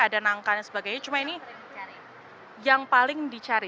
ada nangka dan sebagainya cuma ini yang paling dicari